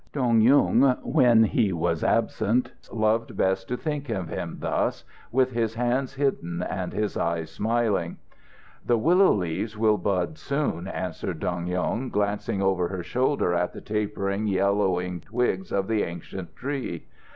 Dong Yung, when he was absent, loved best to think of him thus, with his hands hidden and his eyes smiling. "The willow leaves will bud soon," answered Dong Yung, glancing over her shoulder at the tapering, yellowing twigs of the ancient tree.